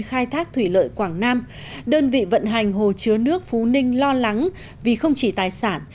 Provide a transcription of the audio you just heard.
khai thác thủy lợi quảng nam đơn vị vận hành hồ chứa nước phú ninh lo lắng vì không chỉ tài sản